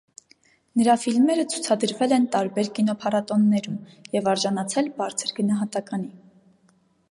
Նրա ֆիլմերը ցուցադրվել էն տարբեր կինոփարատոններում և արժանացել բարձր գնահատականի։